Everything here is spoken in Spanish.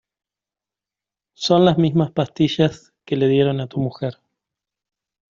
son las mismas pastillas que le dieron a tu mujer